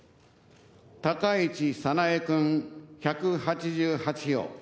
高市早苗君、１８８票。